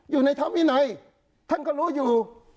อยู่ในธรรมวินัยท่านก็รู้อยู่